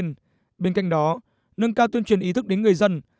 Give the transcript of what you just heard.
nâng cao tuyên truyền ý thức đến người dân